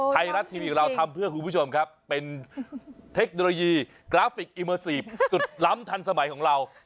ไทยรัฐทีวีของเราทำเพื่อคุณผู้ชมครับเป็นเทคโนโลยีกราฟิกอิเมอร์ซีฟสุดล้ำทันสมัยของเรา